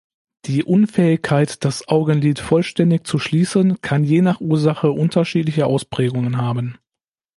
Die Unfähigkeit, das Augenlid vollständig zu schließen, kann je nach Ursache unterschiedliche Ausprägungen haben.